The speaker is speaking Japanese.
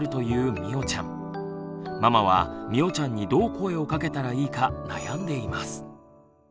ママはみおちゃんにどう声をかけたらいいか悩んでいます。